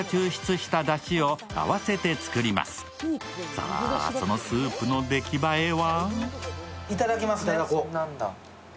さぁ、そのスープの出来栄えは？